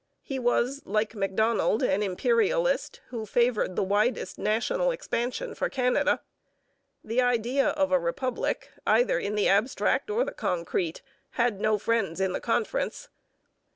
He was, like Macdonald, an Imperialist who favoured the widest national expansion for Canada. The idea of a republic, either in the abstract or the concrete, had no friends in the conference.